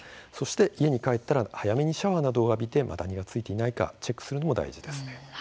家に帰ったら早めにシャワーなどを浴びてマダニが付いていないかチェックするのも大事です。